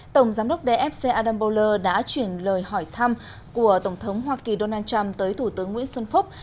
tổng giám đốc dfc adam boller đã chuyển lời hỏi thăm của tổng thống hoa kỳ donald trump tới thủ tướng nguyễn xuân phúc